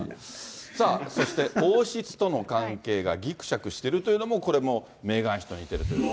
さあそして、王室との関係がぎくしゃくしてるというのも、これもメーガン妃と似てるということで。